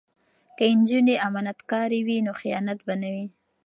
که نجونې امانتکارې وي نو خیانت به نه وي.